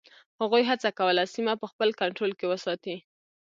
هغوی هڅه کوله سیمه په خپل کنټرول کې وساتي.